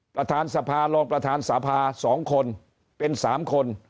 ประธานสภารองประธานสภา๒คนเป็น๓คน